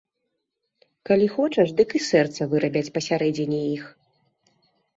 Калі хочаш, дык і сэрца вырабяць пасярэдзіне іх.